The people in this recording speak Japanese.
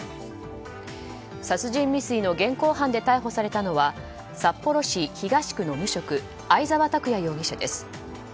殺人未遂の現行犯で逮捕されたのは札幌市東区の無職相沢拓也容疑者です。